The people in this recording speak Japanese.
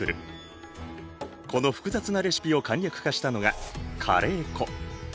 この複雑なレシピを簡略化したのがカレー粉。